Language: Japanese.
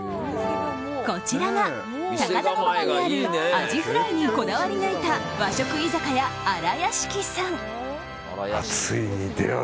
こちらが高田馬場にあるアジフライにこだわり抜いた和食居酒屋、新屋敷さん。